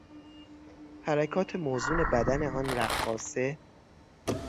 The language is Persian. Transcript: حرکات موزون بدن آن رقاصه